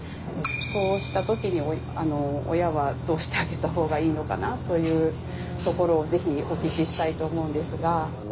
そうした時に親はどうしてあげた方がいいのかなというところをぜひお聞きしたいと思うんですが。